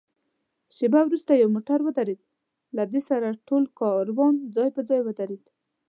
شېبه وروسته یو موټر ودرېد، له دې سره ټول کاروان ځای پر ځای ودرېد.